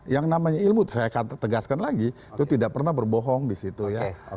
yang namanya ilmu saya tegaskan lagi itu tidak pernah berbohong di situ ya